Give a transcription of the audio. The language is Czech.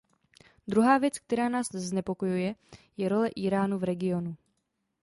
Druhá věc, která nás znepokojuje, je role Íránu v regionu.